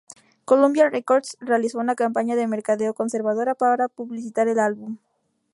Columbia Records realizó una campaña de mercadeo conservadora para publicitar el álbum.